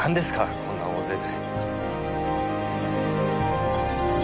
こんな大勢で。